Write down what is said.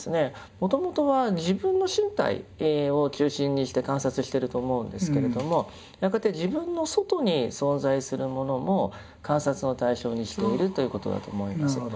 もともとは自分の身体を中心にして観察していると思うんですけれどもやがて自分の外に存在するものも観察の対象にしているということだと思います。